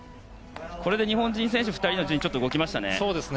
これで日本人選手２人の順位が動きましたね。